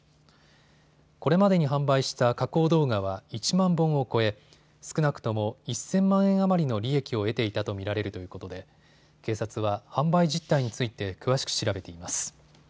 これまでに販売した加工動画は１万本を超え、少なくとも１０００万円余りの利益を得ていたと見られるということで警察は販売実態について詳しく調べています。